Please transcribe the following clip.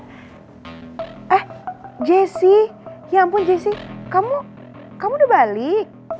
eh jessy ya ampun jessy kamu kamu udah balik